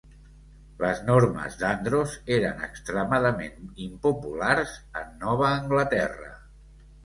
Les normes d'Andros eren extremadament impopulars en Nova Anglaterra.